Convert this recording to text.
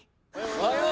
おはよう！